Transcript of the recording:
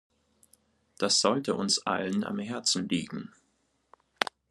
Das sollte uns allen am Herzen liegen.